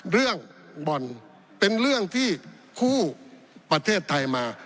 เรื่องบ่อนเป็นเรื่องที่คู่ประเทศไทยมา